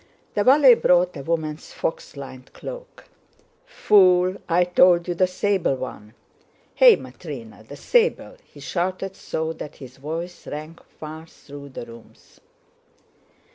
The valet brought a woman's fox lined cloak. "Fool, I told you the sable one! Hey, Matrëna, the sable!" he shouted so that his voice rang far through the rooms.